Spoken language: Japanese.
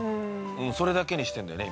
それだけにしてんだよね